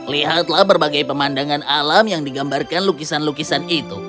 lihatlah berbagai pemandangan alam yang digambarkan lukisan lukisan itu